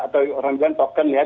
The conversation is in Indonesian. atau orang bilang token ya